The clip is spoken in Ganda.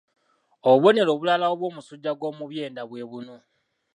Obubonero obulala obw'omusujja gw'omu byenda bwe buno